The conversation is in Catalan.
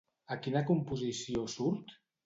A quina composició surt?